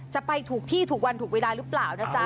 จะไปถูกที่ถูกวันถูกเวลาหรือเปล่านะจ๊ะ